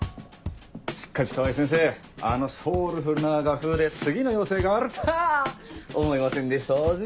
しっかし川合先生あのソウルフルな画風で次の要請があるたぁ思いませんでしたぜぇ。